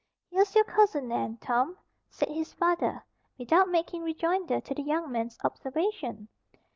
"Here's your Cousin Nan, Tom," said his father, without making rejoinder to the young man's observation.